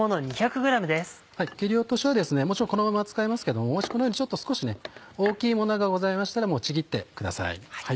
切り落としはもちろんこのまま使えますけどももしこのように少し大きいものがございましたらちぎってください。